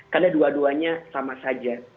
karena dua duanya sama saja